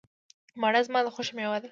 مڼه زما د خوښې مېوه ده.